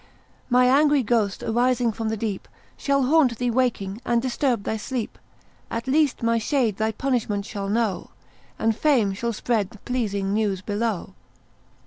My angry ghost arising from the deep, Shall haunt thee waking, and disturb thy sleep; At least my shade thy punishment shall know, And Fame shall spread the pleasing news below.